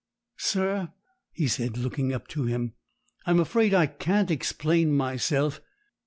'Sir,' he said, looking up to him, 'I'm afraid I can't explain myself.